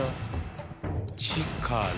ちから。